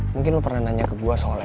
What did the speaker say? mungkin lo pernah nanya ke gue soalnya